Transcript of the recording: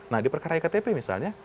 nah di perkara iktp misalnya